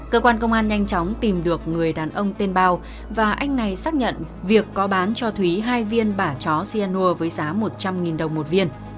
cơ quan công an nhanh chóng tìm được người đàn ông tên bao và anh này xác nhận việc có bán cho thúy hai viên bả chó cyanur với giá một trăm linh đồng một viên